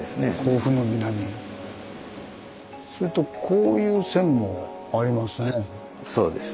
それとこういう線もありますね。